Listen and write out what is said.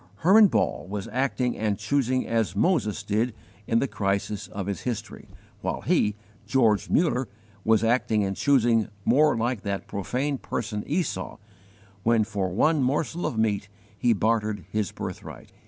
Hermann Ball was acting and choosing as Moses did in the crisis of his history, while he, George Muller, was acting and choosing more like that profane person Esau, when for one morsel of meat he bartered his birthright.